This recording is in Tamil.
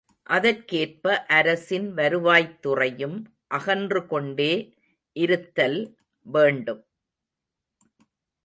அதற்கேற்ப அரசின் வருவாய்த் துறையும் அகன்று கொண்டே இருத்தல் வேண்டும்.